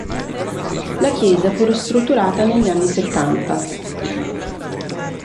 La chiesa fu ristrutturata negli anni settanta.